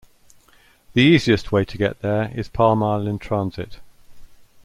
The easiest way to get there is Palm Island Transit.